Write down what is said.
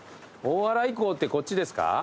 大洗港ってこっちですか？